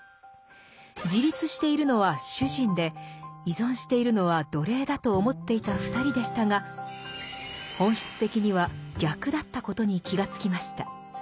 自立しているのは主人で依存しているのは奴隷だと思っていた２人でしたが本質的には逆だったことに気が付きました。